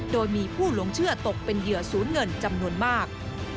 โดยมีผู้หลงเชื่อตกเป็นเหยื่อศูนย์เงินจำนวนมาก